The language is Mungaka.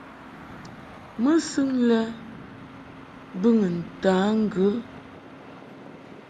Mɨsɨŋ lɛ bɨŋɨ ntǎ ŋgə.